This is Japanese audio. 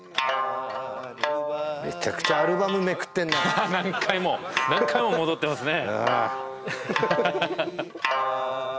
めちゃくちゃアルバムめくってんな何回も何回も戻ってますね